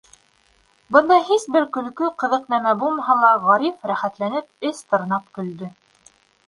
Бында һис бер көлкө, ҡыҙыҡ нәмә булмаһа ла, Ғариф, рәхәтләнеп, эс тырнап көлдө.